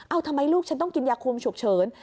เอาทำไมลูกฉันต้องกินยาคุมฉุกเฉิน